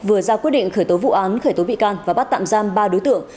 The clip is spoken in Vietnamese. vừa ra quyết định khởi tố vụ án khởi tố bị can và bắt tạm giam ba đối tượng